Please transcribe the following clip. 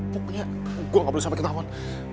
pokoknya gue gak boleh sampai ketahuan